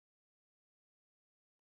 Retired as farm shed prior to recovery.